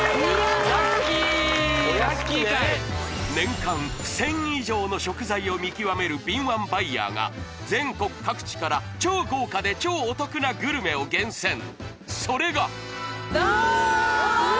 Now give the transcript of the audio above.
ラッキーラッキー回年間１０００以上の食材を見極める敏腕バイヤーが全国各地から超豪華で超お得なグルメを厳選それがドーン！